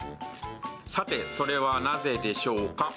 さてそれはなぜでしょうか？